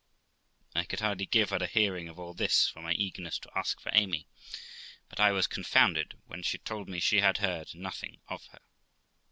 I could hardly give her a hearing of all this for my eagerness to ask for Amy; but I was confounded when she told me she had heard nothing of her.